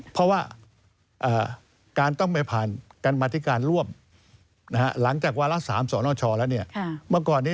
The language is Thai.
เพราะว่าการต้องไปผ่านการบินมาติการร่วม